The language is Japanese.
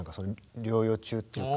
療養中っていうか。